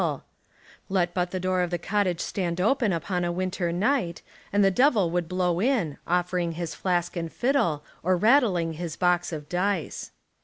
60 The Devil and the Deep Sea Let but the door of the cottage stand open upon a winter night, and the Devil would blow in, offering his flask and fiddle, or rattling his box of dice.